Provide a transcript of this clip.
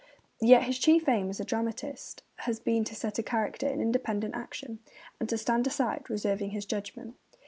Yet his chief aim as a dramatist has been to set character in independent action, and to stand aside, reserving his judgment.